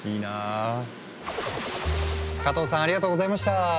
加藤さんありがとうございました。